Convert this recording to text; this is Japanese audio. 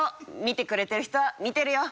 見てくれてる人は見てるよ！